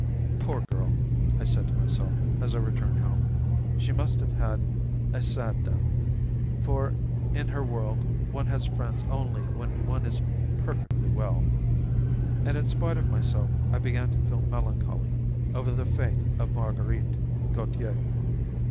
"Poor girl!" I said to myself as I returned home; "she must have had a sad death, for, in her world, one has friends only when one is perfectly well." And in spite of myself I began to feel melancholy over the fate of Marguerite Gautier.